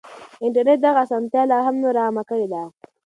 انټرنټ دغه اسانتيا لا نوره هم عامه کړې ده.